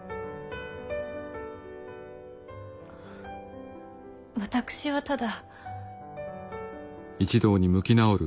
あ私はただ。